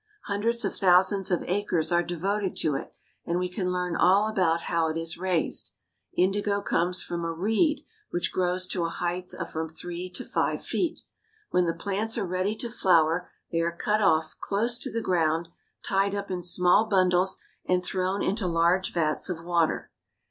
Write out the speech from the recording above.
Hundreds of thousands of acres are devoted to it, and we can learn all about how it is raised. Indigo comes from a reed which grows to a height of from three to five feet. When the plants are ready to flower they are cut off close to the ground, tied up in small bundles, and thrown into large vats of water.